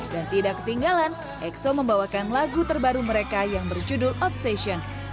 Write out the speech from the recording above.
dan tidak ketinggalan exo membawakan lagu terbaru mereka yang berjudul obsession